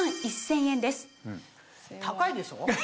高いでしょ？